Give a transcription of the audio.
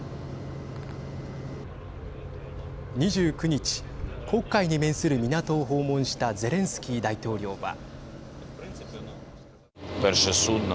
２９日黒海に面する港を訪問したゼレンスキー大統領は。